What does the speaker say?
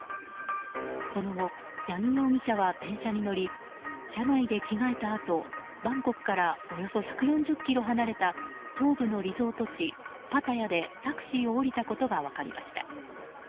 その後、八木容疑者は電車に乗り車内で着替えたあとバンコクからおよそ１４０ｋｍ離れた東部のリゾート地パタヤでタクシーを降りたことが分かりました。